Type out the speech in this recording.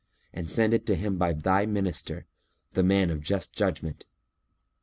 and send it to him by thy Minister, the man of just judgment."